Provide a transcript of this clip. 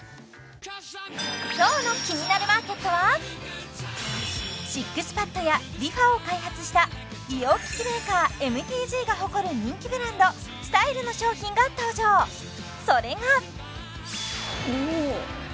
今日の「キニナルマーケット」はＳＩＸＰＡＤやＲｅＦａを開発した美容機器メーカーＭＴＧが誇る人気ブランドＳｔｙｌｅの商品が登場それがおおっ！